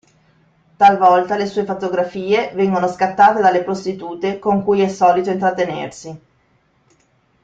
Talvolta le sue fotografie vengono scattate dalle prostitute con cui è solito intrattenersi.